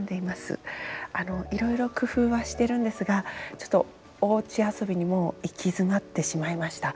あのいろいろ工夫はしてるんですがちょっとおうち遊びにもう行き詰まってしまいました。